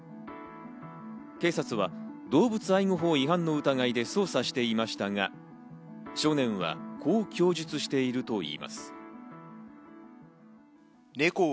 警察は動物愛護法違反の疑いで捜査していましたが、少年はこう供述しているといいます。